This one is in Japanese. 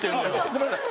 ごめんなさい。